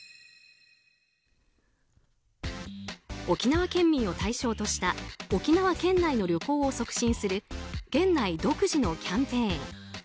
沖縄県民を対象とした沖縄県内の旅行を促進する県内独自のキャンペーン。